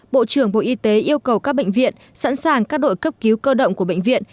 bộ trưởng bộ y tế yêu cầu các bệnh viện sẵn sàng các đội cấp cứu cơ động của bệnh viện